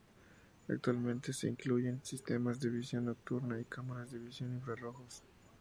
Actualmente, se incluyen sistemas de visión nocturna y cámaras de visión de infrarrojos.